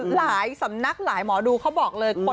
หลายสำนักหลายหมอดูเขาบอกเลย